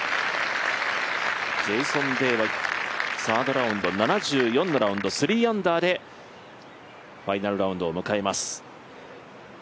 サードラウンド７４のラウンド、３アンダーでファイナルラウンドを迎えます。